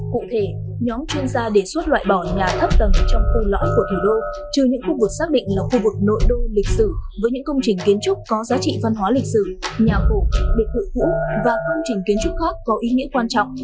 cụ thể nhóm chuyên gia đề xuất loại bỏ nhà thấp tầng trong khu lõi của thủ đô trừ những khu vực xác định là khu vực nội đô lịch sử với những công trình kiến trúc có giá trị văn hóa lịch sử nhà cổ biệt thự cũ và công trình kiến trúc khác có ý nghĩa quan trọng